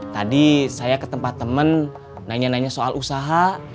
tadi saya ke tempat teman nanya nanya soal usaha